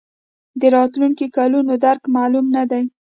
د راتلونکو کلونو درک معلوم نه دی.